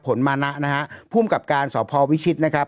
ผลมนะฮะผู้ห้มกับการสอบภอวิชิตนะครับ